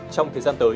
trong thời gian tới